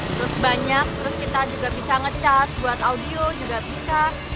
terus banyak terus kita juga bisa nge charge buat audio juga bisa